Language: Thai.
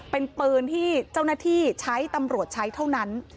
เป็นปืนที่เจ้าหน้าที่ใช้ตำรวจใช้เท่านั้น